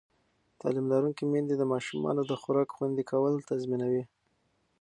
تعلیم لرونکې میندې د ماشومانو د خوراک خوندي کول تضمینوي.